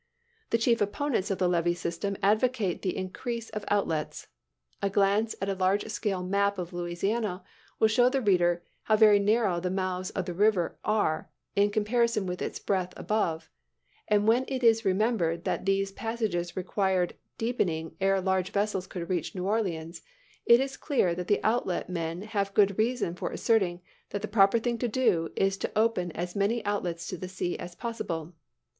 The chief opponents of the levee system advocate the increase of outlets. A glance at a large scale map of Louisiana will show the reader how very narrow the mouths of the river are in comparison with its breadth above; and when it is remembered that these passages required deepening ere large vessels could reach New Orleans, it is clear that the outlet men have good reasons for asserting that the proper thing to do is to open as many outlets to the sea as possible.